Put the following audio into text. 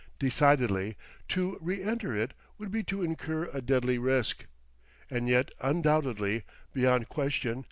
Decidedly, to reënter it would be to incur a deadly risk. And yet, undoubtedly, beyond question!